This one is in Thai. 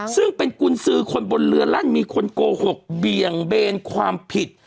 ซึ่งเป็นกุญสือคนบนเรือลั่นมีคนโกหกเบี่ยงเบนความผิด